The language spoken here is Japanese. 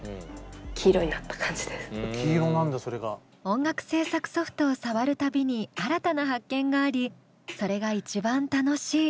音楽制作ソフトを触る度に新たな発見がありそれが一番楽しい。